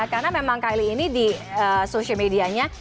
karena memang kylie ini di sosial medianya